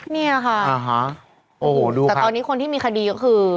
เนี่ยค่ะโอ้โฮดูค่ะโอ้โฮดูค่ะแต่ตอนนี้คนที่มีคดีก็คือ